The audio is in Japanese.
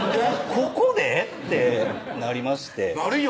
ここで？ってなりましてなるよ